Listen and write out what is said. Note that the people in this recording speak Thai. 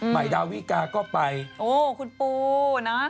ดาวิกาก็ไปโอ้คุณปูนะ